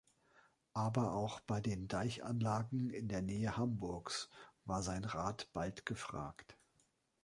Aber auch bei den Deichanlagen in der Nähe Hamburgs war sein Rat bald gefragt.